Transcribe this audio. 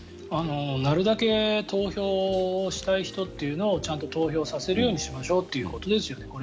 なるたけ投票したい人をちゃんと投票させるようにしましょうということですよね